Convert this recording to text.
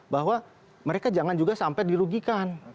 bahwa mereka jangan juga sampai dirugikan